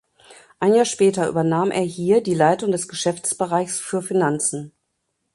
Ein Jahr später übernahm er hier die Leitung des Geschäftsbereichs für Finanzen.